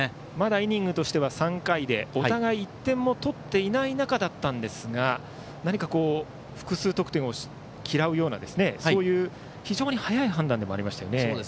イニングとしては３回でお互い１点も取っていない中複数得点を嫌うようなそういう非常に早い判断でもありましたよね。